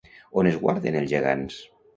On es guarden els gegants?